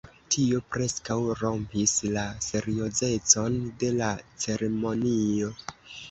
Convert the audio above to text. Tio preskaŭ rompis la seriozecon de la ceremonio.